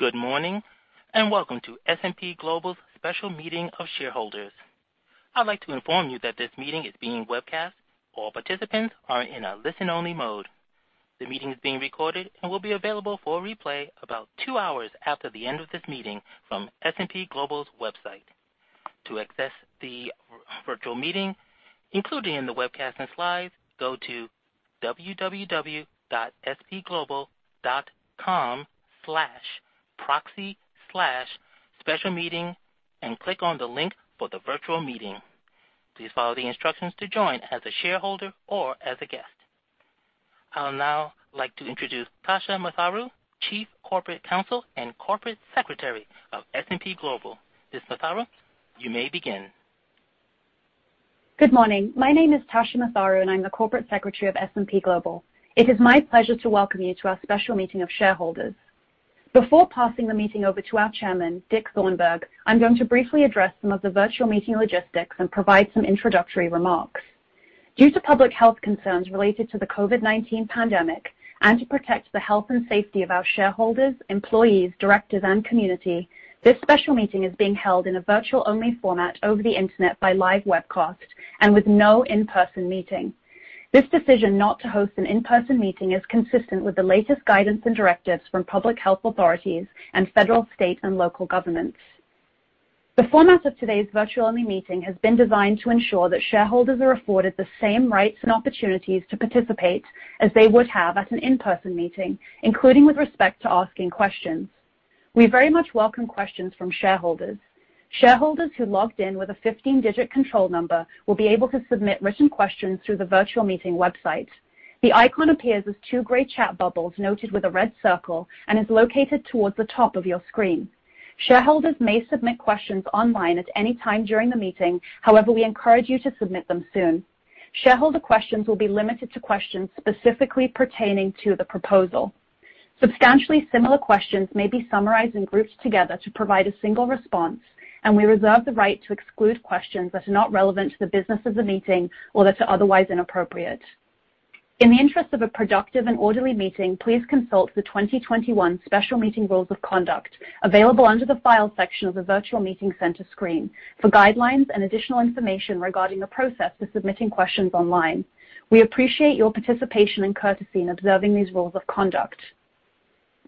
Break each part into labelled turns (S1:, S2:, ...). S1: Good morning, and welcome to S&P Global's Special Meeting of Shareholders. I'd like to inform you that this meeting is being webcast. All participants are in a listen-only mode. The meeting is being recorded and will be available for replay about two hours after the end of this meeting from S&P Global's website. To access the virtual meeting, including the webcast and slides, go to www.spglobal.com/proxy/specialmeeting and click on the link for the virtual meeting. Please follow the instructions to join as a shareholder or as a guest. I would now like to introduce Tasha Matharu, Chief Corporate Counsel and Corporate Secretary of S&P Global. Ms. Matharu, you may begin.
S2: Good morning. My name is Tasha Matharu, and I'm the Corporate Secretary of S&P Global. It is my pleasure to welcome you to our special meeting of shareholders. Before passing the meeting over to our Chairman, Dick Thornburgh, I'm going to briefly address some of the virtual meeting logistics and provide some introductory remarks. Due to public health concerns related to the COVID-19 pandemic and to protect the health and safety of our shareholders, employees, directors, and community, this special meeting is being held in a virtual-only format over the Internet by live webcast and with no in-person meeting. This decision not to host an in-person meeting is consistent with the latest guidance and directives from public health authorities and federal, state, and local governments. The format of today's virtual-only meeting has been designed to ensure that shareholders are afforded the same rights and opportunities to participate as they would have at an in-person meeting, including with respect to asking questions. We very much welcome questions from shareholders. Shareholders who logged in with a 15-digit control number will be able to submit written questions through the virtual meeting website. The icon appears as two gray chat bubbles noted with a red circle and is located towards the top of your screen. Shareholders may submit questions online at any time during the meeting. However, we encourage you to submit them soon. Shareholder questions will be limited to questions specifically pertaining to the proposal. Substantially similar questions may be summarized and grouped together to provide a single response, and we reserve the right to exclude questions that are not relevant to the business of the meeting or that are otherwise inappropriate. In the interest of a productive and orderly meeting, please consult the 2021 Special Meeting Rules of Conduct, available under the Files section of the Virtual Meeting Center screen, for guidelines and additional information regarding the process of submitting questions online. We appreciate your participation and courtesy in observing these rules of conduct.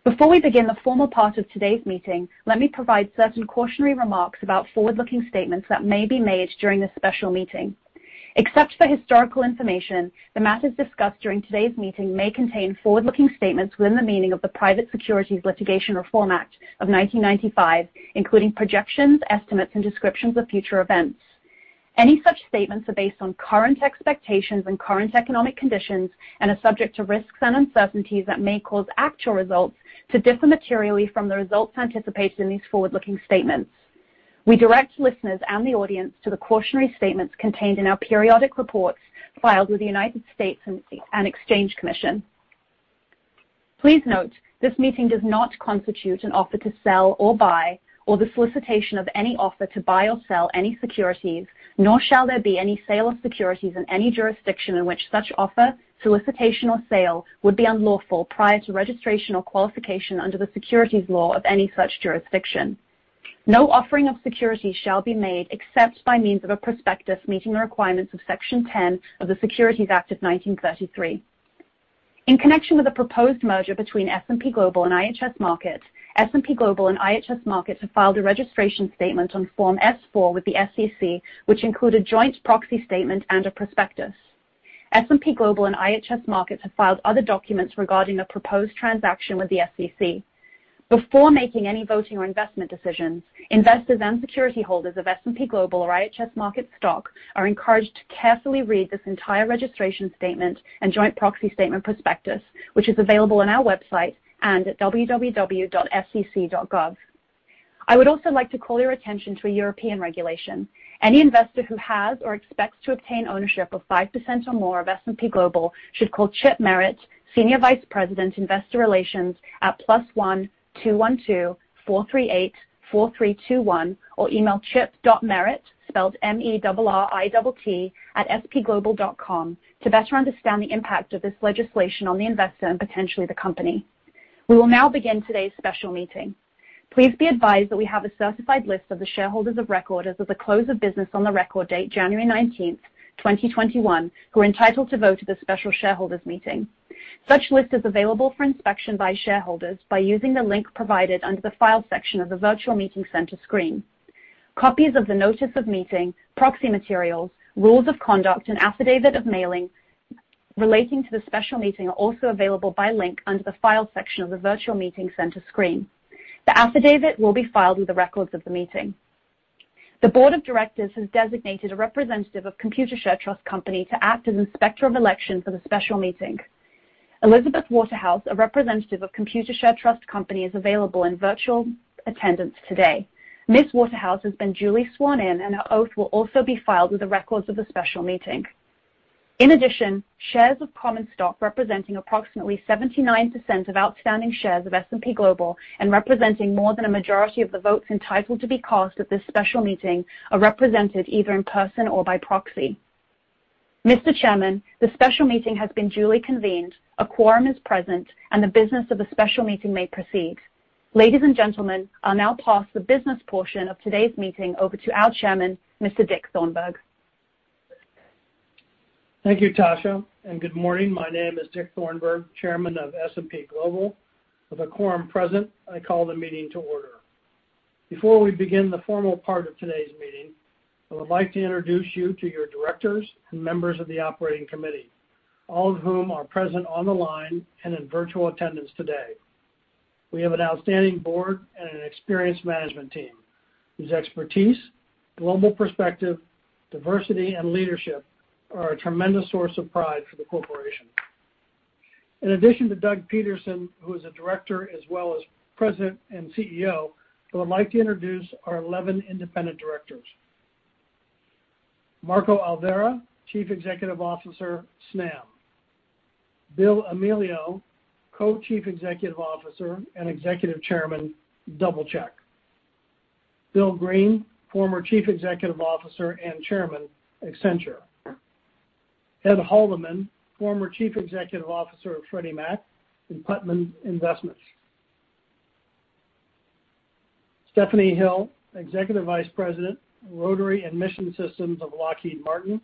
S2: Before we begin the formal part of today's meeting, let me provide certain cautionary remarks about forward-looking statements that may be made during this special meeting. Except for historical information, the matters discussed during today's meeting may contain forward-looking statements within the meaning of the Private Securities Litigation Reform Act of 1995, including projections, estimates, and descriptions of future events. Any such statements are based on current expectations and current economic conditions and are subject to risks and uncertainties that may cause actual results to differ materially from the results anticipated in these forward-looking statements. We direct listeners and the audience to the cautionary statements contained in our periodic reports filed with the United States and Exchange Commission. Please note, this meeting does not constitute an offer to sell or buy or the solicitation of any offer to buy or sell any securities, nor shall there be any sale of securities in any jurisdiction in which such offer, solicitation, or sale would be unlawful prior to registration or qualification under the securities law of any such jurisdiction. No offering of securities shall be made except by means of a prospectus meeting the requirements of Section 10 of the Securities Act of 1933. In connection with the proposed merger between S&P Global and IHS Markit, S&P Global and IHS Markit have filed a registration statement on Form S-4 with the SEC, which include a joint proxy statement and a prospectus. S&P Global and IHS Markit have filed other documents regarding the proposed transaction with the SEC. Before making any voting or investment decisions, investors and security holders of S&P Global or IHS Markit stock are encouraged to carefully read this entire registration statement and joint proxy statement prospectus, which is available on our website and at www.sec.gov. I would also like to call your attention to a European regulation. Any investor who has or expects to obtain ownership of 5% or more of S&P Global should call Chip Merritt, Senior Vice President, Investor Relations, at +1-212-438-4321 or email chip.merritt, spelled M-E-R-R-I-T-T, @spglobal.com to better understand the impact of this legislation on the investor and potentially the company. We will now begin today's special meeting. Please be advised that we have a certified list of the shareholders of record as of the close of business on the record date January 19th, 2021, who are entitled to vote at this special shareholders meeting. Such list is available for inspection by shareholders by using the link provided under the File section of the Virtual Meeting Center screen. Copies of the notice of meeting, proxy materials, rules of conduct, and affidavit of mailing relating to the special meeting are also available by link under the File section of the Virtual Meeting Center screen. The affidavit will be filed with the records of the meeting. The board of directors has designated a representative of Computershare Trust Company to act as inspector of election for the special meeting. Elizabeth Waterhouse, a representative of Computershare Trust Company, is available in virtual attendance today. Ms. Waterhouse has been duly sworn in, and her oath will also be filed with the records of the special meeting. In addition, shares of common stock representing approximately 79% of outstanding shares of S&P Global and representing more than a majority of the votes entitled to be cast at this special meeting are represented either in person or by proxy. Mr. Chairman, the special meeting has been duly convened, a quorum is present, and the business of the special meeting may proceed. Ladies and gentlemen, I'll now pass the business portion of today's meeting over to our chairman, Mr. Dick Thornburgh.
S3: Thank you, Tasha, and good morning. My name is Dick Thornburgh, Chairman of S&P Global. With a quorum present, I call the meeting to order. Before we begin the formal part of today's meeting, I would like to introduce you to your directors and members of the operating committee, all of whom are present on the line and in virtual attendance today. We have an outstanding board and an experienced management team whose expertise, global perspective, diversity, and leadership are a tremendous source of pride for the corporation. In addition to Doug Peterson, who is a director as well as President and Chief Executive Officer, I would like to introduce our 11 independent directors. Marco Alverà, Chief Executive Officer, Snam. Bill Amelio, Co-Chief Executive Officer and Executive Chairman, DoubleCheck. Bill Green, Former Chief Executive Officer and Chairman, Accenture. Ed Haldeman, Former Chief Executive Officer of Freddie Mac and Putnam Investments. Stephanie Hill, Executive Vice President, Rotary and Mission Systems of Lockheed Martin.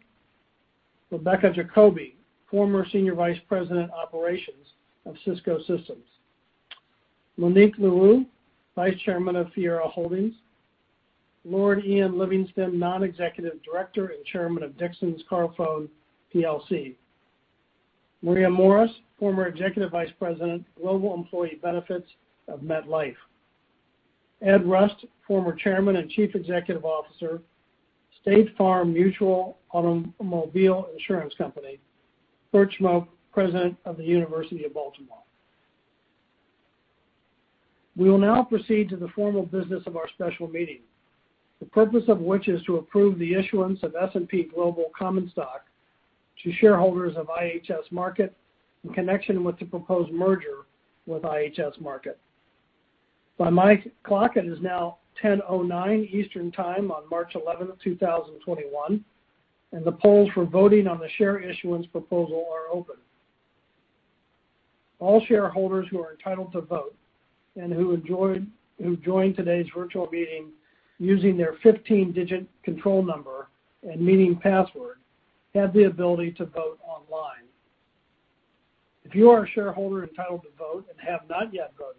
S3: Rebecca Jacoby, former Senior Vice President, Operations of Cisco Systems. Monique Leroux, Vice Chairman of Fiera Holdings. Lord Ian Livingston, Non-Executive Director and Chairman of Dixons Carphone plc. Maria Morris, former Executive Vice President, Global Employee Benefits of MetLife. Ed Rust, former Chairman and Chief Executive Officer, State Farm Mutual Automobile Insurance Company. Kurt Schmoke, President of the University of Baltimore. We will now proceed to the formal business of our special meeting, the purpose of which is to approve the issuance of S&P Global common stock to shareholders of IHS Markit in connection with the proposed merger with IHS Markit. By my clock, it is now 10:09A.M. Eastern Time on March 11, 2021, and the polls for voting on the share issuance proposal are open. All shareholders who are entitled to vote and who joined today's virtual meeting using their 15-digit control number and meeting password have the ability to vote online. If you are a shareholder entitled to vote and have not yet voted,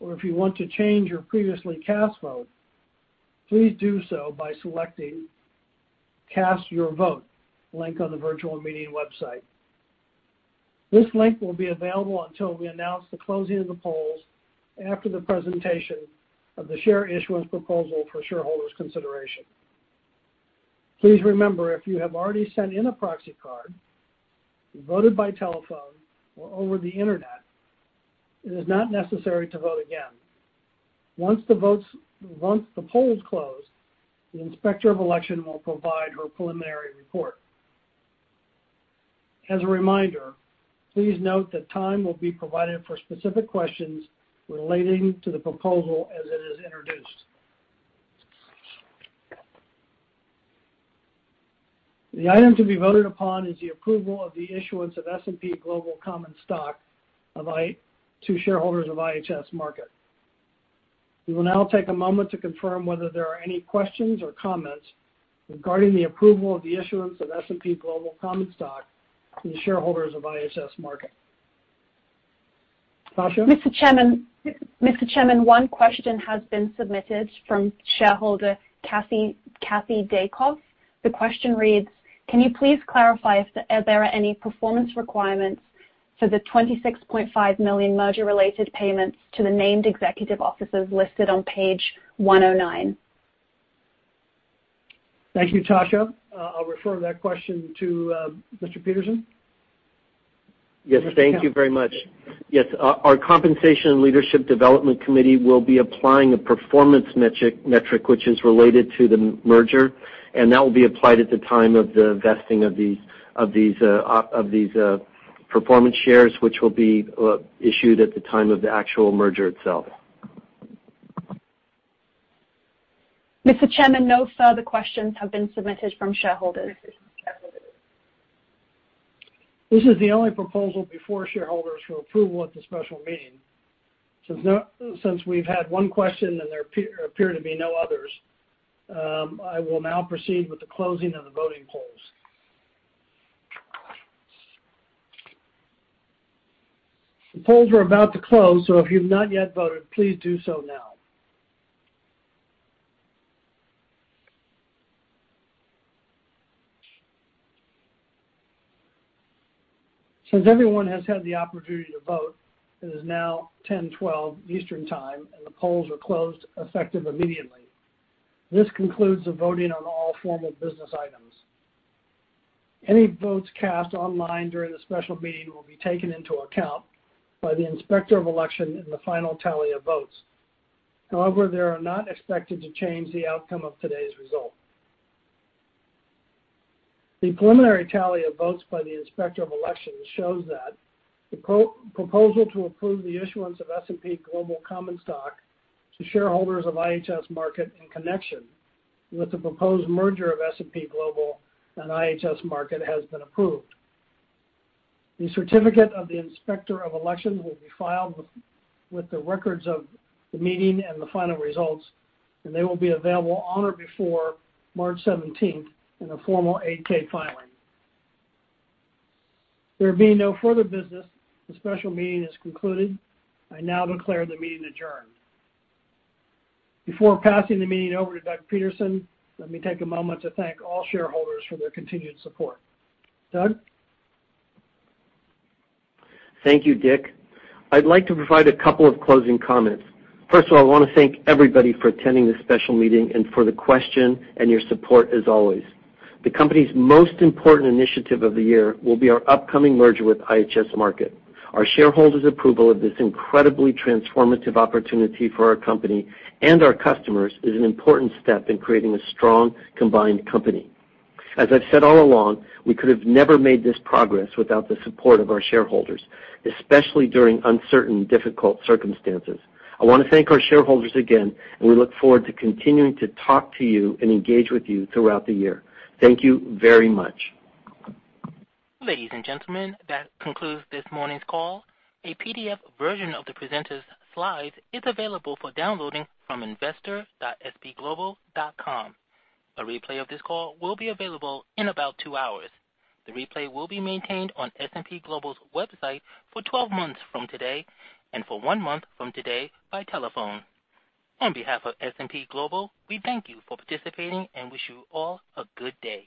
S3: or if you want to change your previously cast vote, please do so by selecting Cast Your Vote link on the virtual meeting website. This link will be available until we announce the closing of the polls after the presentation of the share issuance proposal for shareholders' consideration. Please remember, if you have already sent in a proxy card, voted by telephone or over the internet, it is not necessary to vote again. Once the poll is closed, the Inspector of Election will provide her preliminary report. As a reminder, please note that time will be provided for specific questions relating to the proposal as it is introduced. The item to be voted upon is the approval of the issuance of S&P Global common stock to shareholders of IHS Markit. We will now take a moment to confirm whether there are any questions or comments regarding the approval of the issuance of S&P Global common stock to the shareholders of IHS Markit. Tasha?
S2: Mr. Chairman, one question has been submitted from shareholder Kathy Daycoff. The question reads, "Can you please clarify if there are any performance requirements for the $26.5 million merger-related payments to the named executive officers listed on page 109?"
S3: Thank you, Tasha. I'll refer that question to Mr. Peterson.
S4: Yes, thank you very much. Yes, our Compensation and Leadership Development Committee will be applying a performance metric which is related to the merger, and that will be applied at the time of the vesting of these performance shares, which will be issued at the time of the actual merger itself.
S2: Mr. Chairman, no further questions have been submitted from shareholders.
S3: This is the only proposal before shareholders for approval at the special meeting. Since we've had one question and there appear to be no others, I will now proceed with the closing of the voting polls. The polls are about to close, so if you've not yet voted, please do so now. Since everyone has had the opportunity to vote, it is now 10:12A.M. Eastern Time, and the polls are closed effective immediately. This concludes the voting on all formal business items. Any votes cast online during the special meeting will be taken into account by the Inspector of Election in the final tally of votes. However, they are not expected to change the outcome of today's result. The preliminary tally of votes by the Inspector of Elections shows that the proposal to approve the issuance of S&P Global common stock to shareholders of IHS Markit in connection with the proposed merger of S&P Global and IHS Markit has been approved. The certificate of the Inspector of Election will be filed with the records of the meeting and the final results, and they will be available on or before March 17th in a formal 8-K filing. There being no further business, this special meeting is concluded. I now declare the meeting adjourned. Before passing the meeting over to Doug Peterson, let me take a moment to thank all shareholders for their continued support. Doug?
S4: Thank you, Dick. I'd like to provide a couple of closing comments. First of all, I want to thank everybody for attending this special meeting and for the question and your support as always. The company's most important initiative of the year will be our upcoming merger with IHS Markit. Our shareholders' approval of this incredibly transformative opportunity for our company and our customers is an important step in creating a strong combined company. As I've said all along, we could have never made this progress without the support of our shareholders, especially during uncertain, difficult circumstances. I want to thank our shareholders again, and we look forward to continuing to talk to you and engage with you throughout the year. Thank you very much.
S1: Ladies and gentlemen, that concludes this morning's call. A PDF version of the presenters' slides is available for downloading from investor.spglobal.com. A replay of this call will be available in about two hours. The replay will be maintained on S&P Global's website for 12 months from today and for one month from today by telephone. On behalf of S&P Global, we thank you for participating and wish you all a good day.